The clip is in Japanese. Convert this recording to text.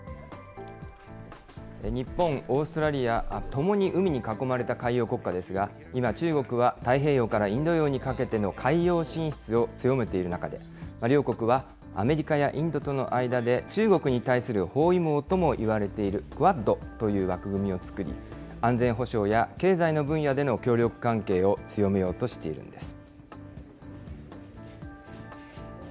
日本、オーストラリア、ともに海に囲まれた海洋国家ですが、今、中国は太平洋からインド洋にかけての海洋進出を強めている中で、両国はアメリカやインドとの間で中国に対する包囲網ともいわれているクアッドという枠組みを作り、安全保障や経済の分野での協力関係を強めようとしているんです。